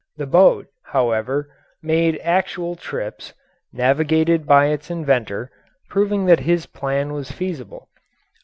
The boat, however, made actual trips, navigated by its inventor, proving that his plan was feasible.